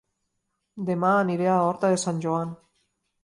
Dema aniré a Horta de Sant Joan